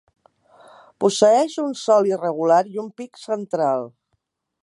Posseeix un sòl irregular i un pic central.